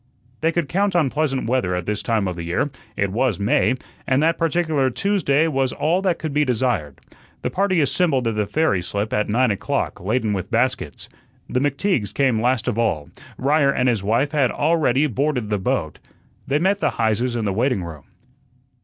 They could count on pleasant weather at this time of the year it was May and that particular Tuesday was all that could be desired. The party assembled at the ferry slip at nine o'clock, laden with baskets. The McTeagues came last of all; Ryer and his wife had already boarded the boat. They met the Heises in the waiting room.